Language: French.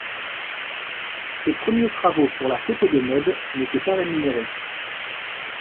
Ses premiers travaux pour la photo de mode n'étaient pas rémunérés.